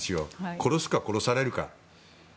殺すか、殺されるか。